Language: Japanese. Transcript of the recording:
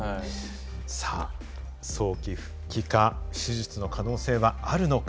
さあ早期復帰か手術の可能性はあるのか。